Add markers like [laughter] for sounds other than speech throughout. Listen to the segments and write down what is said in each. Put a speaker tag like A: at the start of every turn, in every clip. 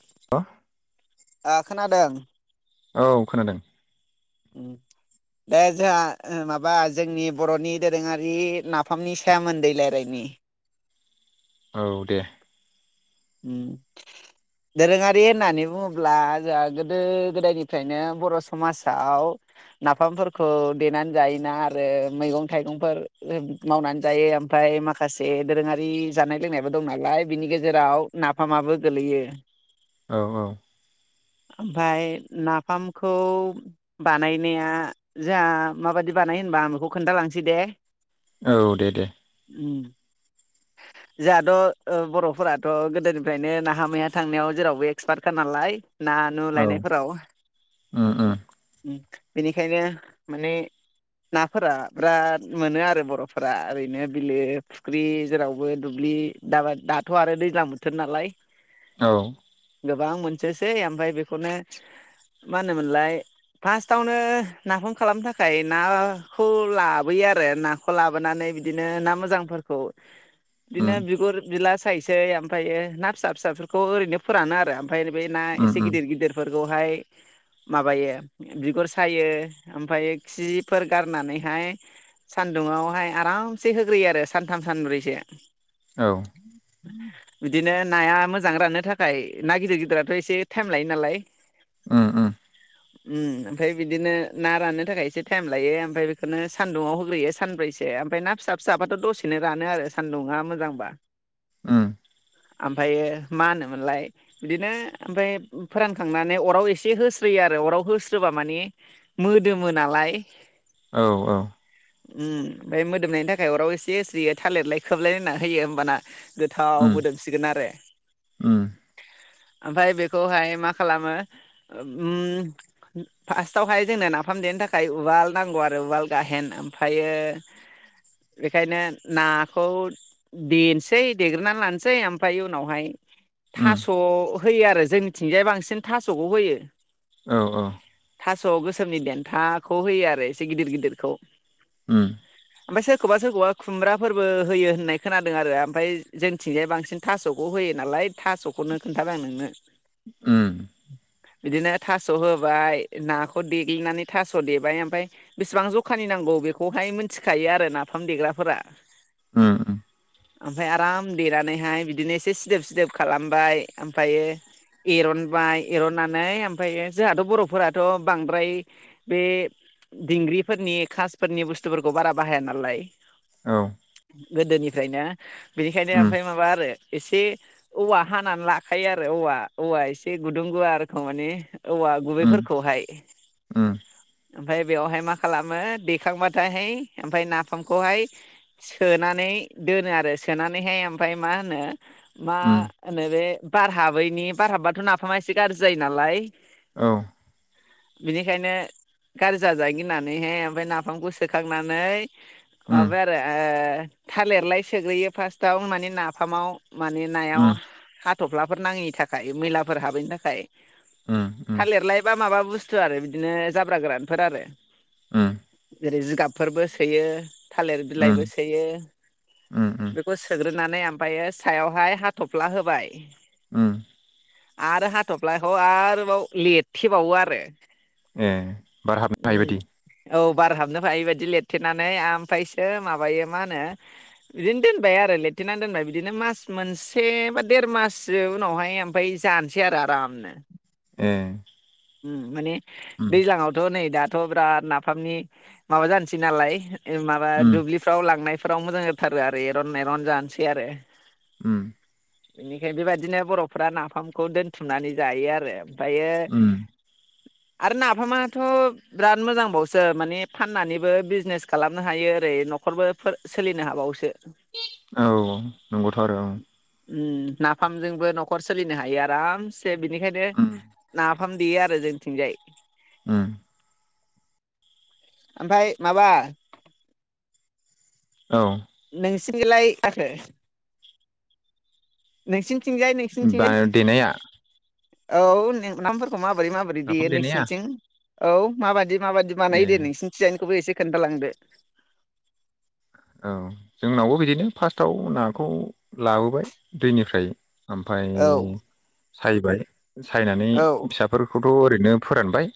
A: [unintelligible]
B: आ खोनादों
A: औ खोनादों
B: ओम दे जोंहा ओ माबा जोंनि बरनि दोरोङारि नाफामनि सायामोन दै राय्लायनायनि
A: औ दे
B: ओम दोरोङारि होननानै बुङोब्ला जोंहा गोदो गोदायनिफ्रायनो बर' समाजाव नाफामफोरखौ देनानै जायोना आरो मैगं-थाइगंफोर मावनानै जायो। ओमफ्राय माखासे दोरोङारि जानाय लोंनायबो दं नालाय बिनि गेजेराव नाफामाबो गोलैयो
A: औ औ
B: ओमाय नाफामखौ बानायनाया जोंहा माबायदि बानाय होनबा आं बेखौ खोन्थालांसै दे
A: औ दे दे
B: ओम जोंहाथ ओ बर'फोराथ' गो दोनिफ्रायनो नाहा मैहा थांनायाव जेरावबो एक्सपार्टखा नालाय ना नु
A: औ
B: लायनायफोराव ओम
A: उम उम
B: बेनिखायनो माने नाफोरा बिराद मोनो आरो बरफोरा ओरैनो बिलो फुख्रि जेरावबो दुब्लि दाब दाथ आरो दैज्लां बोथोर नालाय
A: औ।
B: गोबां मोनसोसै ओमफ्राय बेखौनो मा होनोमोनलाय फार्स्टआवनो नाफाम खालामनो थाखाय नाखौ लाबोयो आरो नाखौ लाबोनानै बिदिनो ना मोजांफोरखौ
A: उम
B: बिदिनो बिगुर बिला खायसे ओमफ्रायो ना फिसा फिसाफोरखौ ओरैनो फोरानो आरो ओम फाय बे ना
A: उम
B: एसे
A: उम
B: गिदिर गिदिरफोर बेखौहाय माबायो बिगुर सायो ओमफ्राय खिफोर गारनानैहाय सानदुङावहाय आरामसे होग्रोयो आरो सानथाम सानब्रैसो
A: औ।
B: [inaudible] बिदिनो नाया मोजां राननो थाखाय ना गिदिर गिदिराथ एसे टाइम लायो नालाय।
A: उम उम।
B: उ ओमफ्राय बिदिनो ना राननो थाखाय एसे टाइम लायो ओमफ्राय बेखौनो सान्दुुङाव होग्रोयो सानब्रैसो ओमफ्राय ना फिसा फिसाबाथ दसेनो रानो आरो सान्दुङा मोजांबा।
A: उम।
B: ओमफ्रायो मा होनोमोनलाय बिदिनो ओमफाय फोरानखांनानै अराव एसे होस्रोयो आरो अराव होस्रोबा माने मोदोमो नालाय।
A: औ औ।
B: उम ओमफाय मोदोमनायनि थाखाय अराव एसे एस्रि थालिरलाय खोबलायलायना होयो होमबाना गोथ
A: उम
B: मोदोमसिगोन आरो।
A: उम
B: ओमफाय बेखौहाय मा खालामो उम फास्टावहाय जोंनो नाफाम देनो थाखाय उवाल नांगौ आरो उवाल गाहेन ओमफ्रायो बेखायनो नाखौ देनोसै देग्रोनानै लानसै। एसे ओमफ्राय उनावहाय
A: उम
B: थास' होयो आरो जोंनिथिंजाय बांसिन थास'खौ होयो।
A: औ औ।
B: थास' गोसोमनि देन्थाखौ होयो आरो एसे गिदिर गिदिरखौ।
A: उम।
B: ओमफ्राय सोरखौबा सोरखौबा खुमब्राफोरबो होयो होननाय खोनादों आरो ओमफ्राय जों थिंजाय बांसिन थास'खौ होयो नालाय थास'खौनो खोन्थादों आं नोंनो।
A: उम
B: बिदिनो थास होबाय नाखौ देग्लिनानै थास देबाय ओमफफ्राय बेसेबां जखानि नांगौ बेखौहाय मिथिखायो आरो नाफाम देग्राफोरा
A: उम।
B: ओमफ्राय आराम देनानैहाय बिदिनो एसे सिदोब सिदोब खालामबाय ओमफ्रायो एरनबाय एरननानै ओमफ्रायो जोंहाथ बरफोराथ बांद्राय बे दिंग्रिफोरनि खासफोरनि बुस्थुफोरखौ बारा बाहाया नालाय।
A: औ।
B: गोदोनिफ्रायनो बेखायनो
A: उम
B: ओमफ्राय माबा आरो एसे औवा हानानै लाखायो आरो औवा औवा एसे गुदुं गुवारखौ माने औवा गुबैफोरखौहाय।
A: उम उम
B: ओमफाय बेवहाय मा खालामो दैखांबाथायहाय ओमफाय नाफामखौहाय सोनानै दोनो आरो सोनानै। नैहाय ओमफाय मा होनो मा होनो बे बारहाबैनि बारहाबाथ नाफामा इसे गारजि जायो नालाय।
A: औ
B: बिनिखायनो गारजि जाजानो गिनानैहाय ओमफाय नाफामखौ सोखांनानै
A: उम
B: माबाय आरो ओ थालिरलाय सोग्रोयो फास्ट दा माने नाफामाव माने नायाव
A: उम
B: हात थफ्लाफोर नाङैनि थाखाय मैलाफोर हाबैनि थाखाय थालिरलाइ बा माबा बुस्थु आरो बिदिनो जाब्रा गोरानफोर आरो जेरै जिगाब फोरबो सोयो। थालिर बिलाइबो सोयो।
A: उम उम
B: सोग्रोनानै ओमफ्रायो सायावहाय हाथफ्ला होबाय।
A: उम
B: आरो हाथफ्लाखौ आरोबाव लिरथेबावो आरो
A: ए बार हाबनो
B: उम
A: हायैबायदि।
B: औ बार हाबनो हायैबायदि लिरथेनानै ओमफ्रायसो माबायो मा होनो बिदिनो दोनबाय आरो लिरथेना दोनबाय बिदिनो मास मोनसे बा देर माससो उनावहाय ओमफ्राय जानोसै आरो आरामनो।
A: ए
B: उम माने
A: उम
B: दैज्लाआवथ नै दा थ बिराद नाफामनि माबा जानोसै नालाय। ओ माबा
A: उम
B: दुब्लिफ्राव लांनाय। फोराव मोजां जाथारो आरो एरन एरन जानोसै आरो
A: उम
B: बेनिखाय बेबायदिनो बरफ्रा नाफामखौ दोनथुमनानै जायो आरो फायो
A: उम
B: आरो नाफामाथ बिराद मोजांबावसो माने फाननानैबो बिजनेस खालामनो हायो ओरै नखरबो सोलिनो हाबावोसो।
A: औ ओ नंगौथ आरो औ।
B: उम नाफामजोंबो नखर सोलिनो हायो आरामसे से बिनिखायनो
A: उम
B: नाफाम देयो आरो जोंनिथिंजाय
A: उम
B: ओमफाय माबा
A: औ
B: नोंसिनिजोंलाय [unintelligible] नोंसिनि
A: [unintelligible] देनाया?
B: औ [unintelligible] माबोरै माबोरै
A: नाफाम
B: देयो
A: देनाया
B: नोंसिनिथिं। औ माबायदि माबायदि
A: ए
B: बानायो दे नोंसिनिथिंजाय। बो एसे खोनथा लां दो
A: औ जोंनावबो बिदिनो फार्स्टआव नाखौ लाबोबाय दैनिफ्राय ओमफ्राय
B: औ
A: साइबाय सायनानै
B: औ
A: फिसाफोरखौ थ' ओरैनो फोरानबाय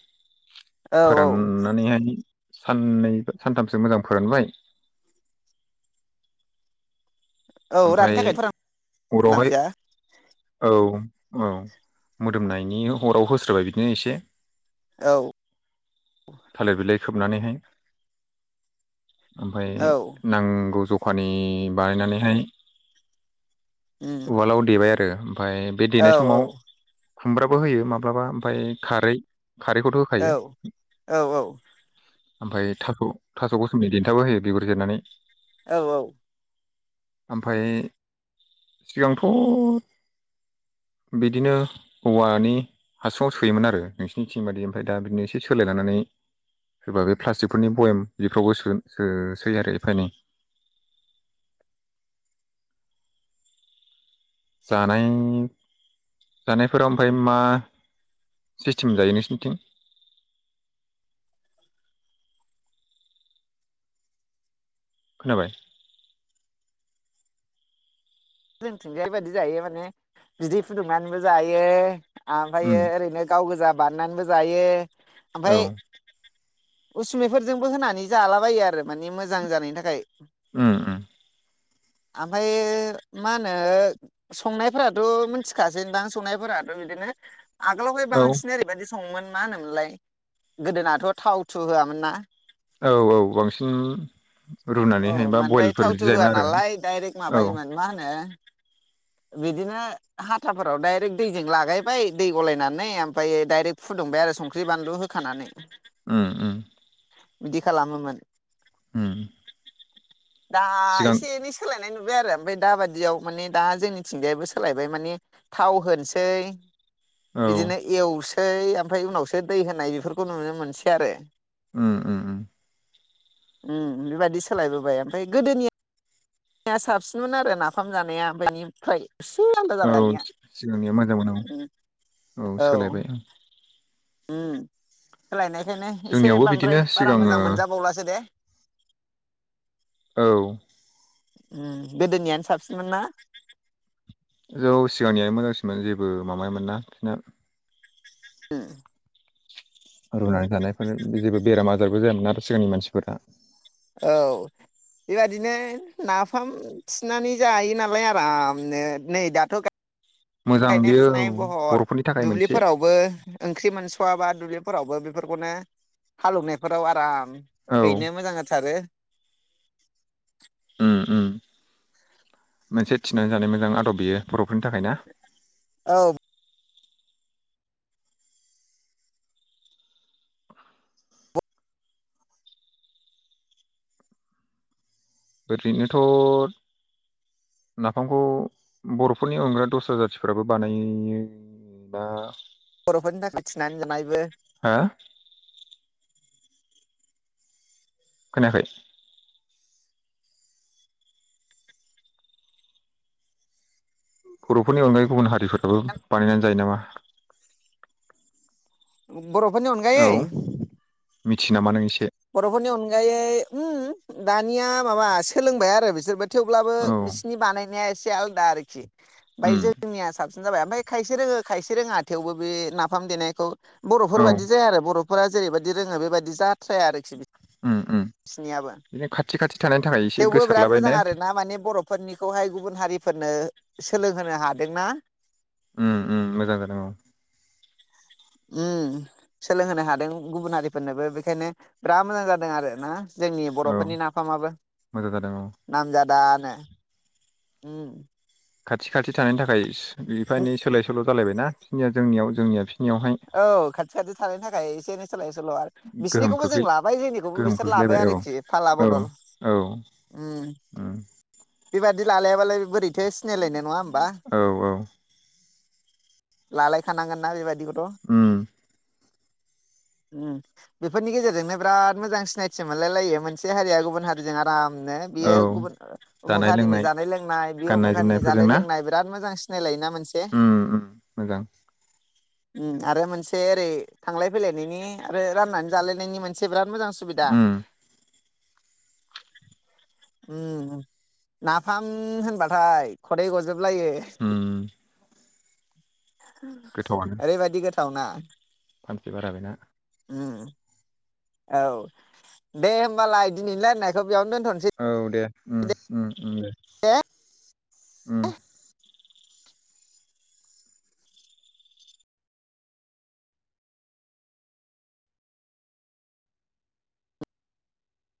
B: औ औ
A: फोराननानै हाय साननै सानथामसो मोजां फोरानबाय
B: औ रांनि
A: ओमफाय
B: थाखायथ' रान
A: अरावहाय
B: नांसैया
A: औ औ मोदोमनायनि अराव होस्रोबाय बिदिनो एसे
B: औ
A: थालिर बिलाइ खोबनानैहाय ओमफ्राय
B: औ
A: नांगौ ज' खानि बानायनानै हाय
B: उम
A: उवालआव देबाय आरो ओमफाय बे
B: औ
A: देनाय
B: औ
A: समाव खुमब्राबो होयो माब्लाबा ओमफाय खारै खारैखौथ' होखायो
B: औ औ औ
A: ओमफाय थाख' थास' गोसोमनि देन्थाबो होयो बिगुर जिरनानै
B: औ औ
A: ओमफाय सिगांथ' बिदिनो औवानि हासुआव सोयोमोन आरो नोंसिनि थिं बादि ओमफ्राय दा बिदिनो एसे सोलाय लानानै सोरबा बे प्लास्टिकफोरनि बयाम बेफ्रावबो सो सो सोयो आरो एफा एनै जानाय जानायफोराव ओमफ्राय मा सिस्टेम जायो नोंसिनिथिं? खोनाबाय?
B: जोंथिंजाय बायदि जायो माने बिदै फुदुंनानैबो जायो।
A: उम
B: ओमफ्रायो ओरैनो गाव गोजा बाननानैबो जायो।
A: औ
B: ओमफ्राय उसुमिफोरजोंबो होनानै जालाबायो आरो माने मोजां जानायनि थाखाय।
A: उम उम
B: आमफायो मा होनो संनायफोराथ' मिथिखासैदां संनायफोराथ' बिदिनो आगोलावहाय
A: औ
B: बांसिन ओैरैबायदि संमोन ना होनोमोनलाय गोदोनाथ थाव थु होआमोन ना
A: औ औ बांसिन
B: औ
A: रुनानैहाय बा
B: ओमफ्राय
A: बयलफोर
B: थावथु
A: बिदि जायोमोन आरो औ
B: ए बिदिनो हाथाफोराव डाइरेक्ट दैजों लागायबाय दै गलायनानै ओमफ्रायो दाइरेक्ट फुदुंबाय आरो संख्रि बानलु होखानानै
A: उम उम
B: बिदि खालामोमोन
A: होम
B: दा एसे एनै सोलायनाय नुदों बाय आरो ओमफाय दाबादियाव माने दा जोंनिथिंजायबो सोलायबाय माने थाव होनोसै
A: औ
B: बिदिनो एउसो है ओमफ्राय उनावसो दै होनाय बेफोरखौ नुनो मोनसै आरो
A: ओम ओम ओम
B: ओम बेबायददि सोलायबोबाय ओमफ्राय गोदोनिया निया साबसिनमोन आरो नाफाम जानाया ओमफाय बेनिफ्राय
A: औ सिगांनिया मोजां मोजांमोन औ सोलायबाय ओं
B: उम सोलायनाय ओंखायनो एसे
A: जोंनियावबो बिदिनो
B: बांद्राय बारा
A: सिगाङो
B: मोजां मोनजाबावलासो दे
A: औ
B: उम गोदोनियानो साबसिनमोन ना
A: जौ सिगांनियानो मोजांसिनमोन जेबो माबायोन ना बिसिना
B: ओम
A: रुनानै जानायफोर जेबो बेराम आजारबो जायामोन आरो सिगांनि मानसिफोरा
B: औ बेबादिनो नाफाम थिनानै जायो नालाय आरामनो नै दाथ
A: मोजां
B: गायनाय
A: बियो औ
B: फुनाय बहर
A: बर'फोरनि थाखाय मोनसे
B: दुब्लिफोरावबो ओंख्रि मोनसे खवाबा दुब्लिफोरावबो बेफोरखौनो हालौनायफोराव आराम
A: औ
B: हैनो मोजां जाथारो
A: ओम ओम मोनसे थिनानै जानाय मोजां आदब बियो बर फोरनि थाखाय ना
B: औ
A: ओरैनोथ नाफामखौ बरफोरनि अनगा दस्रा जाथिफ्राबो बानायो बा
B: बरफोरनि थाखाय थिनानै जानायबो
A: हो खोनायाखै बरफोरनि अनगायै गुबुन हारि दैफोराबो बानायनानै जायो नामा
B: [inaudible] बरफोरनि
A: औ
B: अनगायै
A: मिथियो नामा नों एसे
B: बरफोरनि अन अनगायै ओम दानिया माबा सोलोंबाय आरो बिसोरबो, थेवब्लाबो
A: औ
B: बिसिनि बानायनाया एसे, एसे आलदा आरिखि, ओमफाय
A: उम
B: जोंनिया साबसिन जाबाय ओमफाय, खायसे रोङो खायसे रोङा थेवबो बे नाफाम देनायखौ, बर'फोर
A: औ
B: बादि जाया आरो बरफ बर'फोरा जेरैबायदि रोङो बेबायदि जा, जाया आरोखि
A: उम उम
B: बिसिनियाबो
A: बिदिनो खाथि खाथि थानायनि थाखाय एसे
B: थेवबो बिराद
A: गोसारलाबाय
B: मोजां
A: ने
B: आरोना माने बर' फोरनिखौहाय गुबुन हारि, फोरनो सोलोंहोनो हादोंना?
A: उम उम मोजां जादों औ
B: उम सोलोंहोनो हादों गुबुन हारिफोरनोबो बेखायनो ब्रा मोजां जादों आरो आरोना, जोंनि
A: औ
B: बर'फोरनि नाफामाबो
A: मोजां जादों औ
B: नामजादा ना उम
A: खाथि खाथि थानायनि थाखाय
B: उम
A: बिफानि सोलाय सोल जालायबाय ना, बिसिनिया जोंनियाव जोंनिया फिस
B: औ खाथि खाथि थानायनि थाखाय एसे एनै सोलाय सोल आरो
A: गोहोम
B: बिसोरनिखौबो जों
A: खोख्लै
B: लाबाय जोंनिखौबो
A: गोहोम
B: बिसोर लाबाय
A: खोख्लैलायबाय औ
B: आरोखि फाला
A: औ
B: बदल,
A: औ उम
B: बेबायादि लालायाबालाय बोरैथो सिनायलायनाय नङा होम
A: औ औ
B: लालायखानांगोन ना बेबायदिखौ
A: उम
B: [inaudible] उम बेफोरनि गेजेरजोंनो बिराद मोजां सिनायथि मोनलायलायो मोनसे हारिया गुबुन हारिजों बामनो
A: औ
B: बियो गुबुन अमुख
A: जानाय
B: हारिनि
A: लोंनाय
B: जानाय लोंनाय बे
A: गाननाय
B: अमुखहारिनि
A: जोमनायफोरजों
B: जानाय
A: ना
B: लोंनाय बिराद मोजां, मोजां सिनायलायो ना? मोनसे,
A: उम उम मोजां
B: उम मोनसे ओरै थांलाय फैलायनायनि आरो राननानै जालायनायनि मोनसे बिराद, मोजां सुबिदा,
A: उम
B: उम नाफाम होनबाथाय खदै गजोब लायो
A: उम
B: उम आरै बादि गोथ थावना
A: फानसे बारा बेना
B: उम औ दे होमबालाय दिनै रायलायनायखौ बेयावनो दोनथ नोसै
A: ओम -ओम उम दे उम